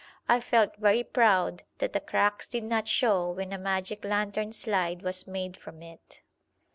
I felt very proud that the cracks did not show when a magic lantern slide was made from it.